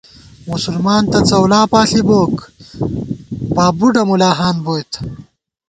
مسلمان تہ څؤلاپاݪی بوک ، باب بُڈہ ملاہان بوئیت